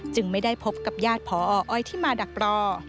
จึงไม่ได้พบกับญาติผออที่มาดักรอ